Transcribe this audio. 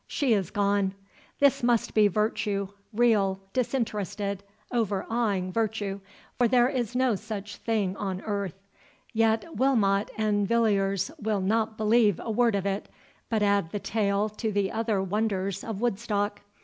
"She is gone.—This must be virtue—real, disinterested, overawing virtue—or there is no such thing on earth. Yet Wilmot and Villiers will not believe a word of it, but add the tale to the other wonders of Woodstock.